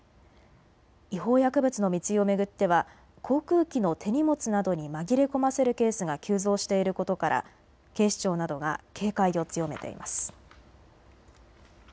違法薬物の密輸を巡っては航空機の手荷物などに紛れ込ませるケースが急増していることから警視庁などが警戒を強めています。